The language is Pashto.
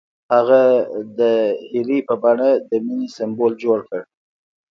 هغه د هیلې په بڼه د مینې سمبول جوړ کړ.